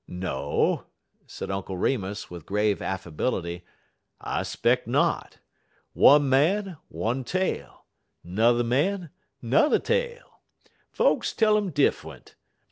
"No," said Uncle Remus, with grave affability, "I 'speck not. One man, one tale; 'n'er man, 'n'er tale. Folks tell um diffunt.